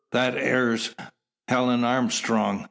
"That air's Helen Armstrong.